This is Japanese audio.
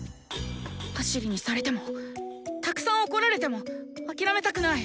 パシリにされてもたくさん怒られても諦めたくない。